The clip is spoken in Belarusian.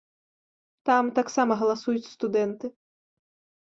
Там таксама галасуюць студэнты.